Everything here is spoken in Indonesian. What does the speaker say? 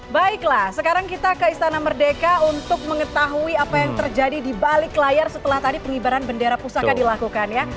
baiklah sekarang kita ke istana merdeka untuk mengetahui apa yang terjadi di balik layar setelah tadi penghibaran bendera pusaka dilakukan ya